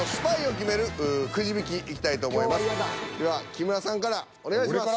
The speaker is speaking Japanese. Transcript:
では木村さんからお願いします。